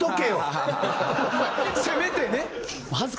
せめてね。